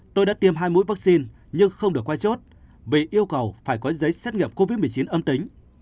tôi đã tiêm hai mũi vaccine nhưng không được quay chốt vì yêu cầu phải có giấy xét nghiệm covid một mươi chín âm tính